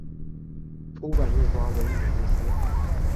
凸版印刷为母公司。